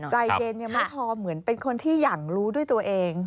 ใจเย็นยังไม่พอเหมือนเป็นคนที่อยากรู้ด้วยตัวเอง